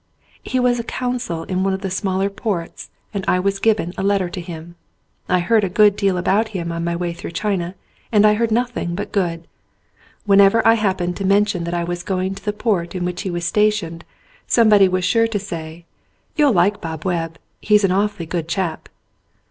He was a consul in one of the smaller ports and I was given a letter to him. I heard a good deal about him on my way through China and I heard nothing but good. Whenever I happened to mention that I was going to the port in which he was stationed someone was sure to say : "You'll like Bob Webb. He's an awfully good chap."